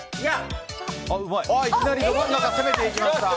いきなりど真ん中攻めていきました。